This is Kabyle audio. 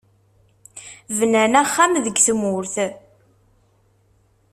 Bnan axxam deg tmurt.